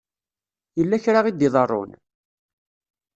Yella kra i d-iḍerrun?